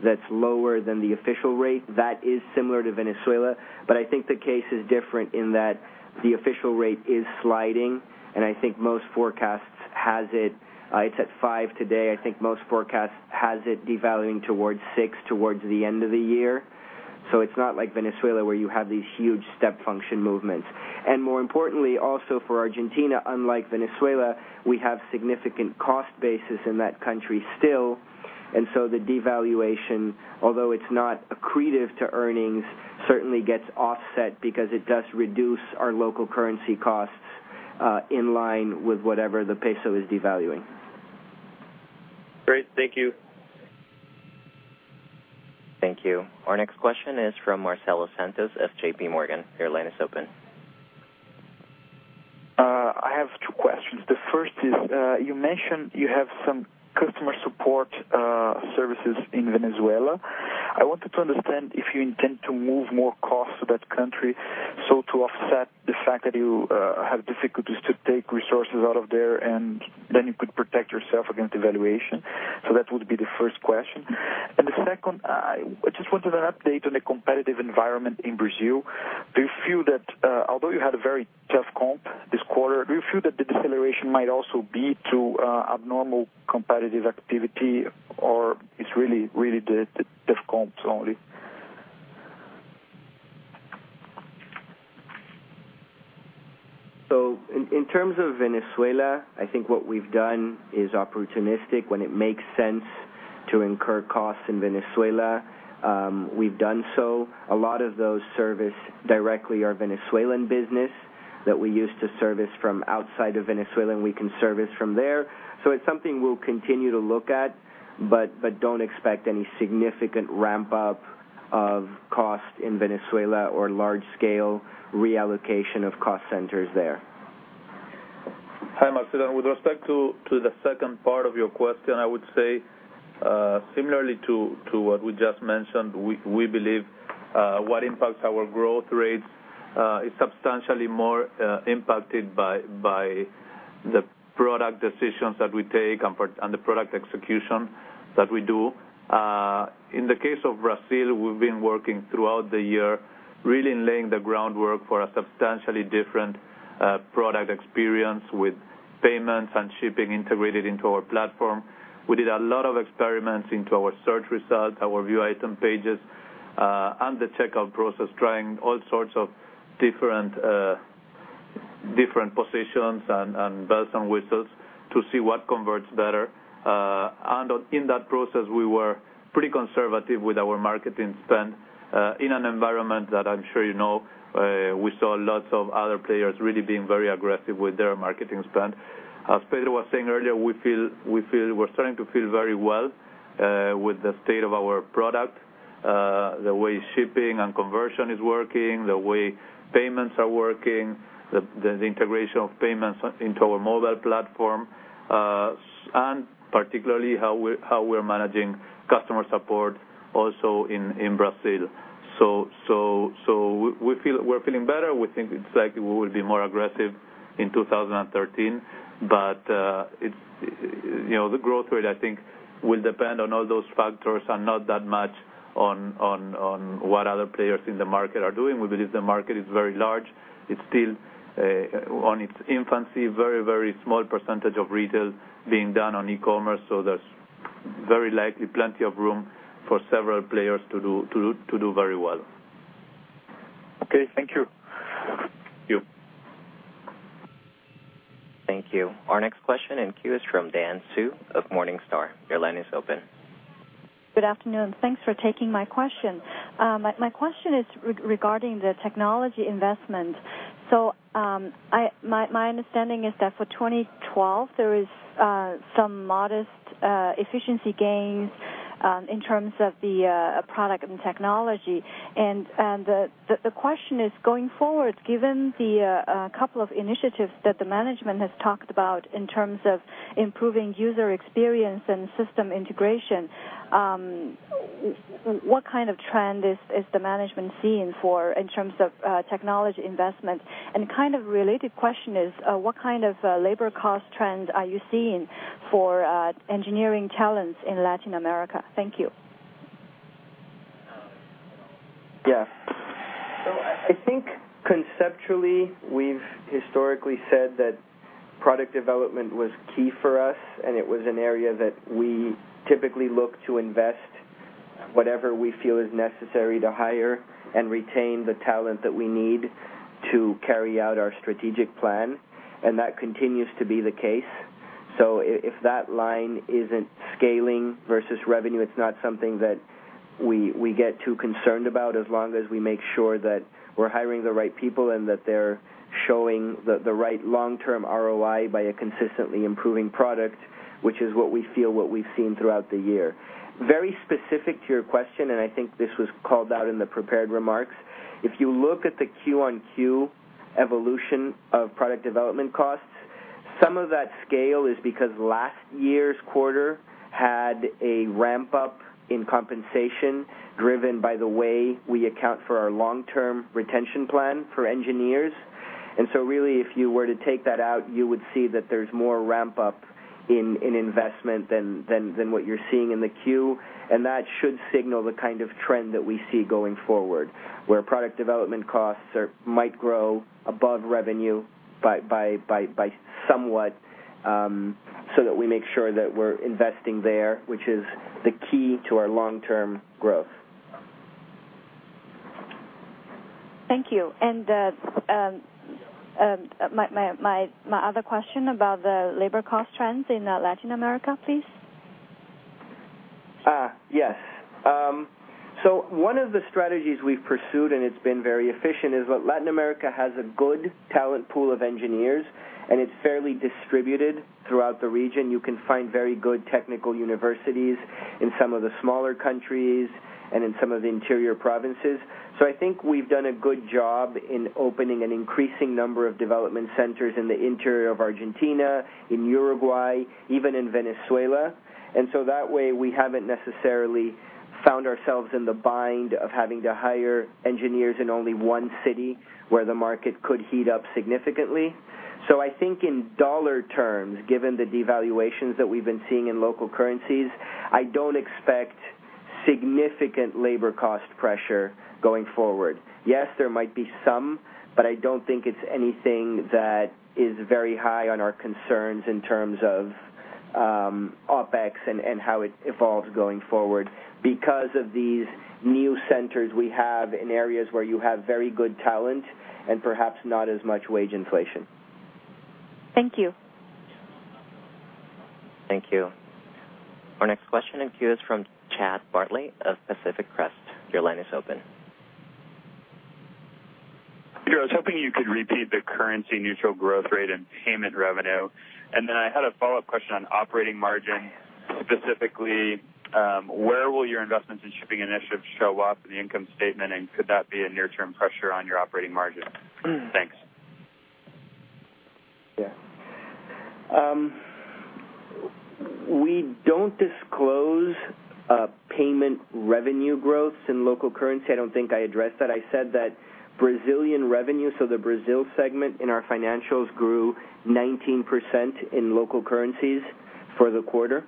that's lower than the official rate. That is similar to Venezuela. I think the case is different in that the official rate is sliding, and I think most forecasts has it. It's at five today. I think most forecasts has it devaluing towards six towards the end of the year. It's not like Venezuela, where you have these huge step function movements. More importantly, also for Argentina, unlike Venezuela, we have significant cost bases in that country still. The devaluation, although it's not accretive to earnings, certainly gets offset because it does reduce our local currency costs in line with whatever the peso is devaluing. Great. Thank you. Thank you. Our next question is from Marcelo Santos of JP Morgan. Your line is open. I have two questions. The first is, you mentioned you have some customer support services in Venezuela. I wanted to understand if you intend to move more costs to that country, to offset the fact that you have difficulties to take resources out of there, then you could protect yourself against devaluation. That would be the first question. The second, I just wanted an update on the competitive environment in Brazil. Do you feel that, although you had a very tough comp this quarter, do you feel that the deceleration might also be to abnormal competitive activity, or it's really the tough comps only? In terms of Venezuela, I think what we've done is opportunistic. When it makes sense to incur costs in Venezuela, we've done so. A lot of those service directly our Venezuelan business that we used to service from outside of Venezuela, we can service from there. It's something we'll continue to look at, but don't expect any significant ramp-up of cost in Venezuela or large-scale reallocation of cost centers there. Hi, Marcelo. With respect to the second part of your question, I would say similarly to what we just mentioned, we believe what impacts our growth rates is substantially more impacted by the product decisions that we take and the product execution that we do. In the case of Brazil, we've been working throughout the year really laying the groundwork for a substantially different product experience with payments and shipping integrated into our platform. We did a lot of experiments into our search results, our view item pages, and the checkout process, trying all sorts of different positions and bells and whistles to see what converts better. In that process, we were pretty conservative with our marketing spend in an environment that I'm sure you know. We saw lots of other players really being very aggressive with their marketing spend. As Pedro was saying earlier, we're starting to feel very well with the state of our product, the way shipping and conversion is working, the way payments are working, the integration of payments into our mobile platform. Particularly how we're managing customer support also in Brazil. We're feeling better. We think it's likely we will be more aggressive in 2013. The growth rate, I think, will depend on all those factors and not that much on what other players in the market are doing. We believe the market is very large. It's still on its infancy. Very small percentage of retail being done on e-commerce, so there's very likely plenty of room for several players to do very well. Okay. Thank you. Thank you. Thank you. Our next question in queue is from Dan Su of Morningstar. Your line is open. Good afternoon. Thanks for taking my question. My question is regarding the technology investment. My understanding is that for 2012, there is some modest efficiency gains in terms of the product and technology. The question is, going forward, given the couple of initiatives that the management has talked about in terms of improving user experience and system integration, what kind of trend is the management seeing for, in terms of technology investment? Kind of related question is, what kind of labor cost trend are you seeing for engineering talents in Latin America? Thank you. I think conceptually, we've historically said that product development was key for us, and it was an area that we typically look to invest whatever we feel is necessary to hire and retain the talent that we need to carry out our strategic plan. That continues to be the case. If that line isn't scaling versus revenue, it's not something that we get too concerned about as long as we make sure that we're hiring the right people and that they're showing the right long-term ROI by a consistently improving product, which is what we feel we've seen throughout the year. Very specific to your question, I think this was called out in the prepared remarks, if you look at the Q on Q evolution of product development costs, some of that scale is because last year's quarter had a ramp-up in compensation, driven by the way we account for our long-term retention plan for engineers. Really, if you were to take that out, you would see that there's more ramp-up in investment than what you're seeing in the queue. That should signal the kind of trend that we see going forward, where product development costs might grow above revenue by somewhat, so that we make sure that we're investing there, which is the key to our long-term growth. Thank you. My other question about the labor cost trends in Latin America, please. Yes. One of the strategies we've pursued, and it's been very efficient, is that Latin America has a good talent pool of engineers, and it's fairly distributed throughout the region. You can find very good technical universities in some of the smaller countries and in some of the interior provinces. I think we've done a good job in opening an increasing number of development centers in the interior of Argentina, in Uruguay, even in Venezuela. That way, we haven't necessarily found ourselves in the bind of having to hire engineers in only one city where the market could heat up significantly. I think in dollar terms, given the devaluations that we've been seeing in local currencies, I don't expect significant labor cost pressure going forward. Yes, there might be some, but I don't think it's anything that is very high on our concerns in terms of OpEx and how it evolves going forward because of these new centers we have in areas where you have very good talent and perhaps not as much wage inflation. Thank you. Thank you. Our next question in queue is from Chad Bartley of Pacific Crest. Your line is open. I was hoping you could repeat the currency-neutral growth rate and payment revenue. Then I had a follow-up question on operating margin. Specifically, where will your investments in shipping initiatives show up in the income statement, and could that be a near-term pressure on your operating margin? Thanks. Yeah. We don't disclose payment revenue growth in local currency. I don't think I addressed that. I said that Brazilian revenue, so the Brazil segment in our financials grew 19% in local currencies for the quarter.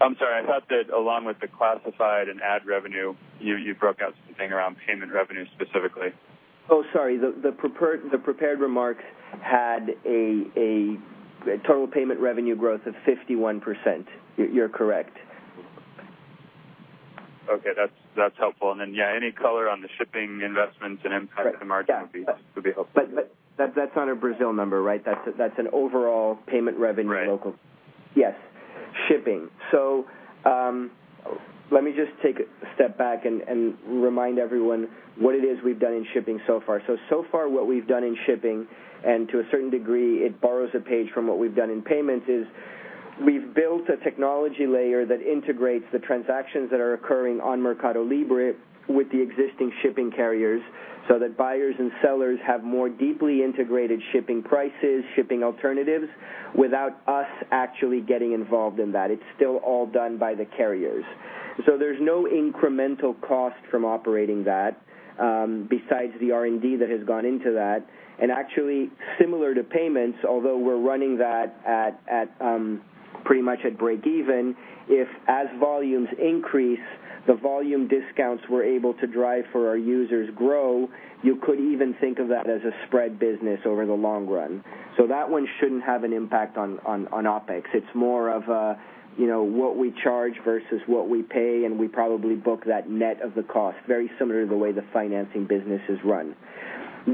I'm sorry. I thought that along with the classified and ad revenue, you broke out something around payment revenue specifically. Oh, sorry. The prepared remarks had a total payment revenue growth of 51%. You're correct. Okay. That's helpful. Then, yeah, any color on the shipping investments and impact to the margin would be helpful. That's not a Brazil number, right? That's an overall payment revenue local. Right. Yes. Shipping. Let me just take a step back and remind everyone what it is we've done in shipping so far. So far what we've done in shipping, and to a certain degree, it borrows a page from what we've done in payments, is we've built a technology layer that integrates the transactions that are occurring on MercadoLibre with the existing shipping carriers so that buyers and sellers have more deeply integrated shipping prices, shipping alternatives, without us actually getting involved in that. It's still all done by the carriers. There's no incremental cost from operating that, besides the R&D that has gone into that. Actually, similar to payments, although we're running that at pretty much at breakeven, if as volumes increase, the volume discounts we're able to drive for our users grow, you could even think of that as a spread business over the long run. That one shouldn't have an impact on OpEx. It's more of a what we charge versus what we pay, and we probably book that net of the cost, very similar to the way the financing business is run.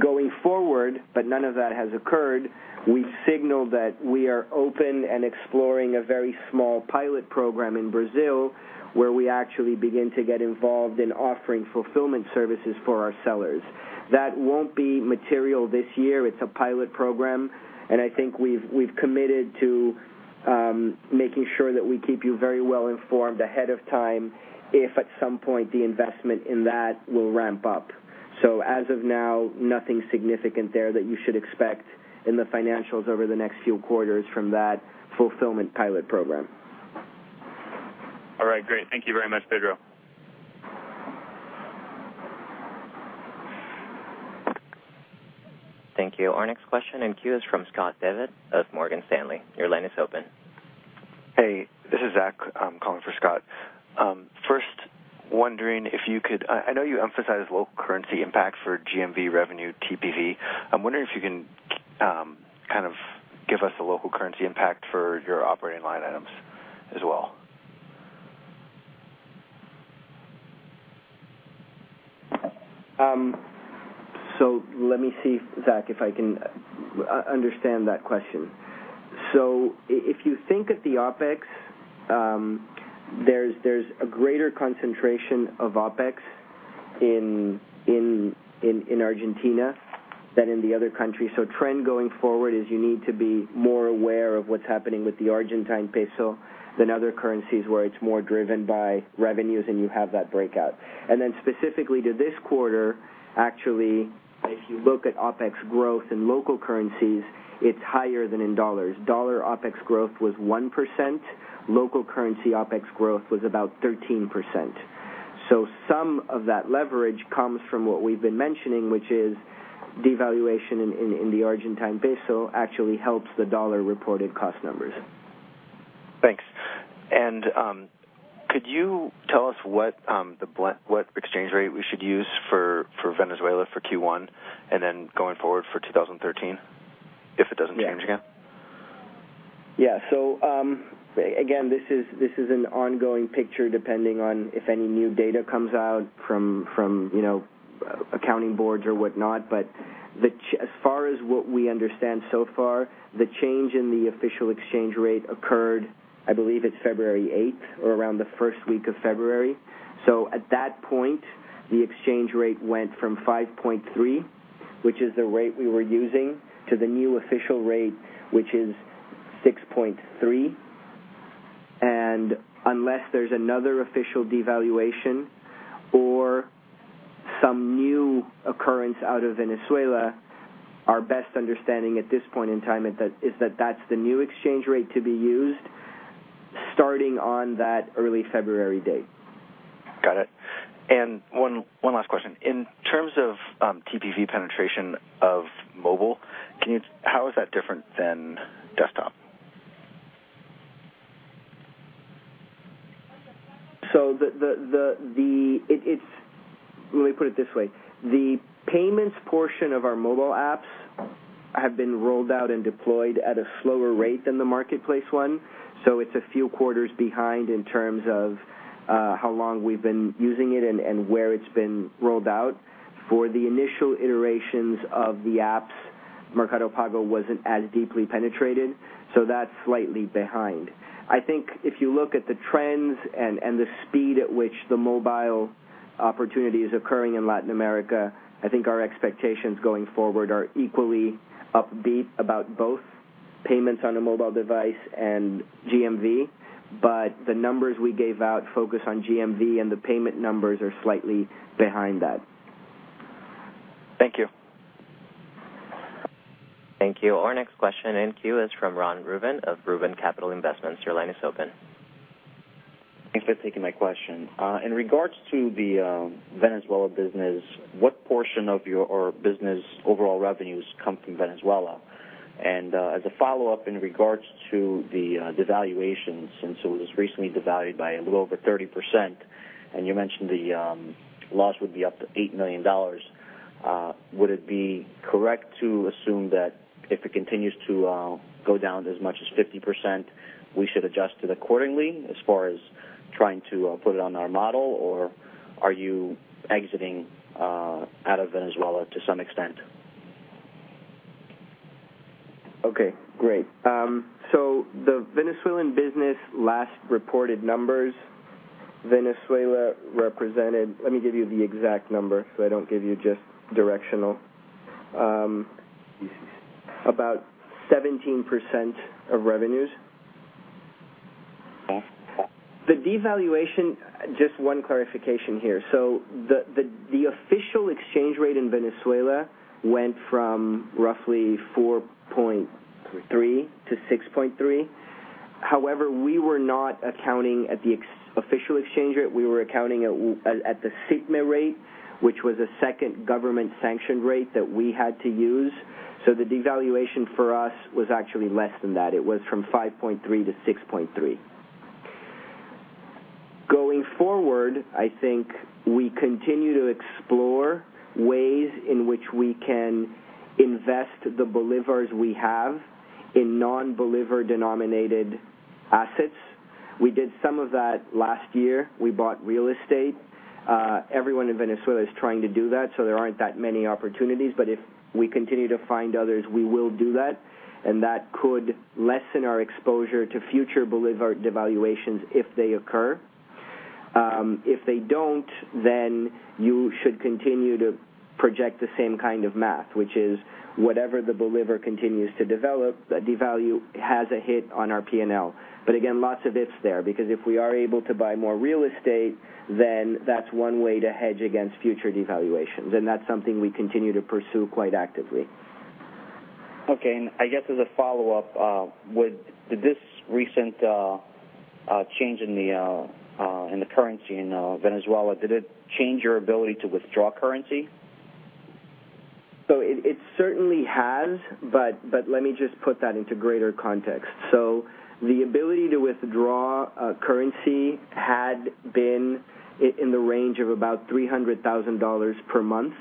Going forward, but none of that has occurred, we've signaled that we are open and exploring a very small pilot program in Brazil, where we actually begin to get involved in offering fulfillment services for our sellers. That won't be material this year. It's a pilot program, and I think we've committed to making sure that we keep you very well informed ahead of time if at some point the investment in that will ramp up. As of now, nothing significant there that you should expect in the financials over the next few quarters from that fulfillment pilot program. All right, great. Thank you very much, Pedro Arnt. Thank you. Our next question in queue is from Scott Devitt of Morgan Stanley. Your line is open. Hey, this is Zach. I am calling for Scott. First, I know you emphasized local currency impact for GMV revenue TPV. I am wondering if you can kind of give us a local currency impact for your operating line items as well. Let me see, Zach, if I can understand that question. If you think of the OpEx, there is a greater concentration of OpEx in Argentina than in the other countries. Trend going forward is you need to be more aware of what is happening with the Argentine peso than other currencies where it is more driven by revenues and you have that breakout. Specifically to this quarter, actually, if you look at OpEx growth in local currencies, it is higher than in $.$ OpEx growth was 1%. Local currency OpEx growth was about 13%. Some of that leverage comes from what we have been mentioning, which is devaluation in the Argentine peso actually helps the $-reported cost numbers. Thanks. Could you tell us what exchange rate we should use for Venezuela for Q1 and then going forward for 2013, if it doesn't change again? Yeah. Again, this is an ongoing picture, depending on if any new data comes out from accounting boards or whatnot. As far as what we understand so far, the change in the official exchange rate occurred, I believe it's February 8th or around the first week of February. At that point, the exchange rate went from 5.3, which is the rate we were using, to the new official rate, which is 6.3. Unless there's another official devaluation or some new occurrence out of Venezuela, our best understanding at this point in time is that that's the new exchange rate to be used starting on that early February date. Got it. One last question. In terms of TPV penetration of mobile, how is that different than desktop? Let me put it this way. The payments portion of our mobile apps have been rolled out and deployed at a slower rate than the marketplace one. It's a few quarters behind in terms of how long we've been using it and where it's been rolled out. For the initial iterations of the apps, Mercado Pago wasn't as deeply penetrated, so that's slightly behind. I think if you look at the trends and the speed at which the mobile opportunity is occurring in Latin America, I think our expectations going forward are equally upbeat about both payments on a mobile device and GMV. The numbers we gave out focus on GMV and the payment numbers are slightly behind that. Thank you. Thank you. Our next question in queue is from Ron Rubin of Rubin Capital Investments. Your line is open. Thanks for taking my question. In regards to the Venezuela business, what portion of your business overall revenues come from Venezuela? As a follow-up, in regards to the devaluations, since it was recently devalued by a little over 30%, and you mentioned the loss would be up to $8 million, would it be correct to assume that if it continues to go down as much as 50%, we should adjust it accordingly as far as trying to put it on our model, or are you exiting out of Venezuela to some extent? Okay, great. The Venezuelan business last reported numbers, Venezuela represented Let me give you the exact number so I don't give you just directional. About 17% of revenues. Okay. The devaluation, just one clarification here. The official exchange rate in Venezuela went from roughly 4.3 to 6.3. However, we were not accounting at the official exchange rate. We were accounting at the SITME rate, which was a second government-sanctioned rate that we had to use. The devaluation for us was actually less than that. It was from 5.3 to 6.3. Going forward, I think we continue to explore ways in which we can invest the bolívars we have in non-bolívar denominated assets. We did some of that last year. We bought real estate. Everyone in Venezuela is trying to do that, so there aren't that many opportunities, but if we continue to find others, we will do that, and that could lessen our exposure to future bolívar devaluations if they occur. If they don't, you should continue to project the same kind of math, which is whatever the bolívar continues to devalue, has a hit on our P&L. Again, lots of ifs there, because if we are able to buy more real estate, then that's one way to hedge against future devaluations, and that's something we continue to pursue quite actively. Okay. I guess as a follow-up, did this recent change in the currency in Venezuela, did it change your ability to withdraw currency? It certainly has, but let me just put that into greater context. The ability to withdraw currency had been in the range of about $300,000 per month.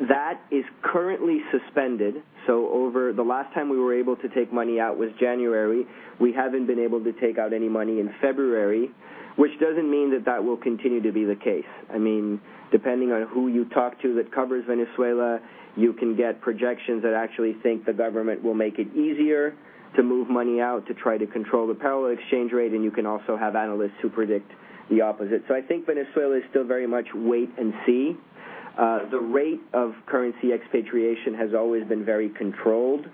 That is currently suspended. The last time we were able to take money out was January. We haven't been able to take out any money in February, which doesn't mean that that will continue to be the case. Depending on who you talk to that covers Venezuela, you can get projections that actually think the government will make it easier to move money out to try to control the parallel exchange rate, and you can also have analysts who predict the opposite. I think Venezuela is still very much wait and see. The rate of currency expatriation has always been very controlled.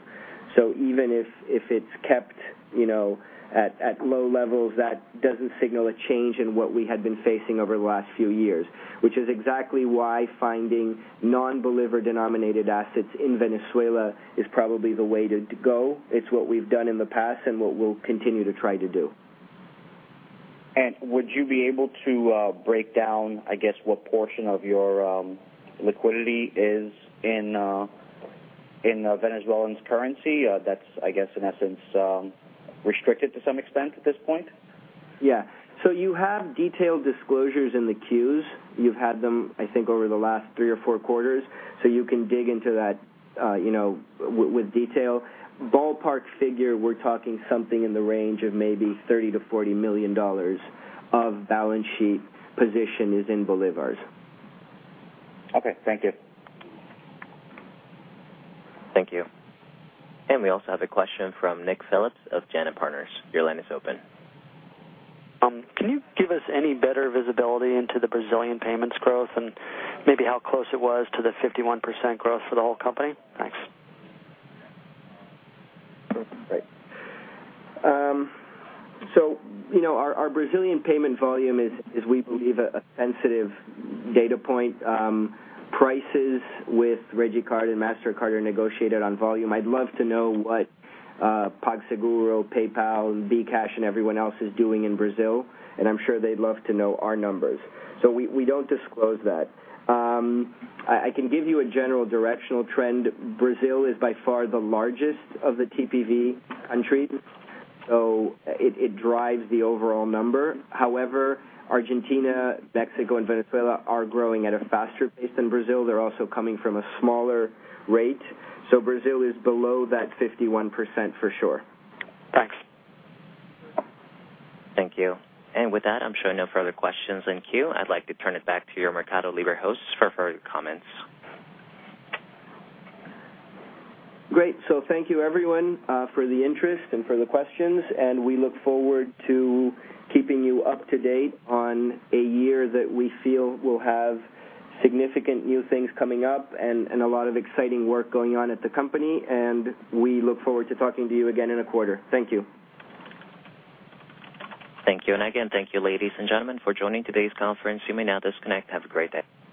Even if it's kept at low levels, that doesn't signal a change in what we had been facing over the last few years, which is exactly why finding non-bolívar denominated assets in Venezuela is probably the way to go. It's what we've done in the past and what we'll continue to try to do. Would you be able to break down, I guess, what portion of your liquidity is in Venezuelan's currency? That's, I guess, in essence, restricted to some extent at this point? Yeah. You have detailed disclosures in the Qs. You've had them, I think, over the last three or four quarters, so you can dig into that with detail. Ballpark figure, we're talking something in the range of maybe $30 million-$40 million of balance sheet position is in bolívars. Okay. Thank you. Thank you. We also have a question from Nick Phillips of JANA Partners. Your line is open. Can you give us any better visibility into the Brazilian payments growth and maybe how close it was to the 51% growth for the whole company? Thanks. Our Brazilian payment volume is, we believe, a sensitive data point. Prices with Redecard and Mastercard are negotiated on volume. I'd love to know what PagSeguro, PayPal, BCash, and everyone else is doing in Brazil, and I'm sure they'd love to know our numbers. We don't disclose that. I can give you a general directional trend. Brazil is by far the largest of the TPV countries, so it drives the overall number. However, Argentina, Mexico, and Venezuela are growing at a faster pace than Brazil. They're also coming from a smaller rate. Brazil is below that 51% for sure. Thanks. Thank you. With that, I'm showing no further questions in queue. I'd like to turn it back to your MercadoLibre hosts for further comments. Great. Thank you everyone for the interest and for the questions, and we look forward to keeping you up to date on a year that we feel will have significant new things coming up and a lot of exciting work going on at the company, and we look forward to talking to you again in a quarter. Thank you. Thank you. Again, thank you, ladies and gentlemen, for joining today's conference. You may now disconnect. Have a great day.